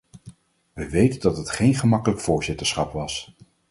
We weten dat het geen gemakkelijk voorzitterschap was.